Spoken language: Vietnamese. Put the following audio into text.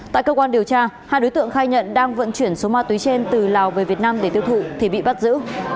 tại cơ quan điều tra hai đối tượng khai nhận đang vận chuyển số ma túy trên từ lào về việt nam để tiêu thụ thì bị bắt giữ